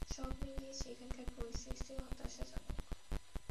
সব মিলিয়ে সেখানকার পরিস্থিতি হতাশাজনক।